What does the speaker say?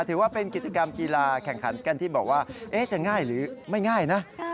ถือว่าเป็นกิจกรรมกีฬาแข่งขันกันที่บอกว่าจะง่ายหรือไม่ง่ายนะ